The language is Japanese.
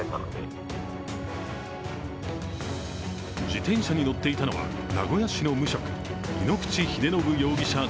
自転車に乗っていたのは名古屋市の無職井ノ口秀信容疑者